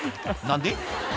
「何で？」